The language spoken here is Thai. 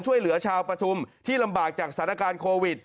ช่วยเหลือชาวปฐุมที่ลำบากจากสถานการณ์โควิด